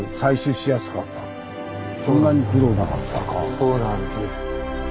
そうなんです。